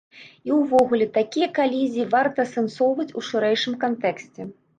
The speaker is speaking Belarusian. І ўвогуле такія калізіі варта асэнсоўваць у шырэйшым кантэксце.